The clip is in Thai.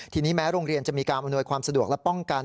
ทีนี้แม้โรงเรียนจะมีการอำนวยความสะดวกและป้องกัน